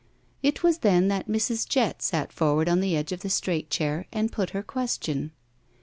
It was then that Mrs. Jett sat forward on the edge ' of the straight chair, and put her question.